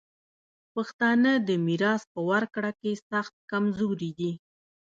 پښتانه د میراث په ورکړه کي سخت کمزوري دي.